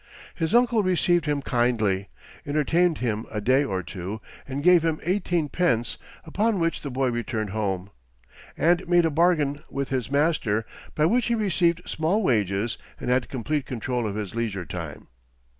His uncle received him kindly, entertained him a day or two, and gave him eighteen pence, upon which the boy returned home, and made a bargain with his master by which he received small wages and had complete control of his leisure time.